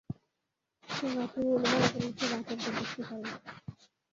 যে-বাথরুমে উনি মারা গেলেন সেই বাথরুমটা দেখতে পারি?